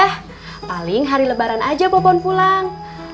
paling hari lebaran aja popon pulang